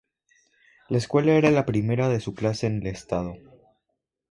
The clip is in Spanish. La escuela era la primera de su clase en el estado.